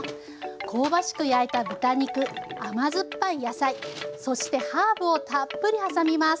香ばしく焼いた豚肉甘酸っぱい野菜そしてハーブをたっぷり挟みます。